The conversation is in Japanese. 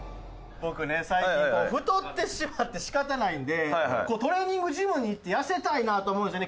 僕ね最近太ってしまって仕方ないんでトレーニングジムに行って痩せたいなと思うんですよね